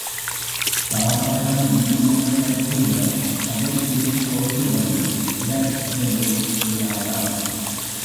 சாதாரண விதிமுறைகளைக்கூட, கடைப் பிடித்தொழுகுவதில் இடர்ப்படுவோர் ஏராளம்.